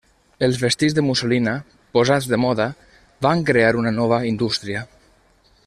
Els vestits de mussolina, posats de moda, van crear una nova indústria.